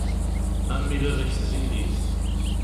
A mmi baba-k tezgel-it.